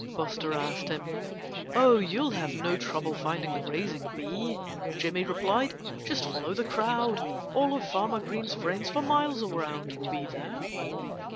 Buster asked him. "Oh! you'll have no trouble finding the raising bee," Jimmy replied. "Just follow the crowd! All of Farmer Green's friends for miles around will be there."